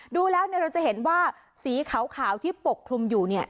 ดูแล้วเนี่ยเราจะเห็นว่าสีขาวที่ปกคลุมอยู่เนี่ย